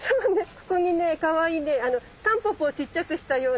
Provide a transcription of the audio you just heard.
ここにねかわいいねタンポポをちっちゃくしたようなね